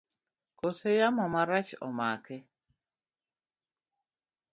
Kose yamo marach omake?